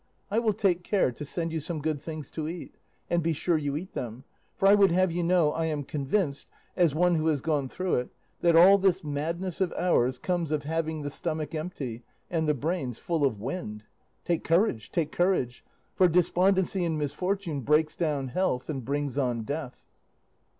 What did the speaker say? I will take care to send you some good things to eat; and be sure you eat them; for I would have you know I am convinced, as one who has gone through it, that all this madness of ours comes of having the stomach empty and the brains full of wind. Take courage! take courage! for despondency in misfortune breaks down health and brings on death.